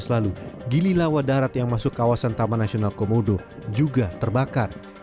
keluarga dari jawa darat yang masuk kawasan taman nasional komodo juga terbakar